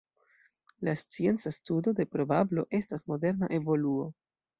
La scienca studo de probablo estas moderna evoluo.